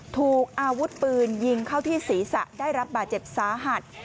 ถูกอาวุธปืนยิงเข้าที่ศีรษะได้รับบาดเจ็บสาหัส